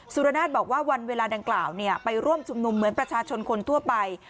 สุรนาศบอกว่าวันเวลาดังกล่าวไปร่วมชุมนุมเหมือนประชาชนคนทั่วไป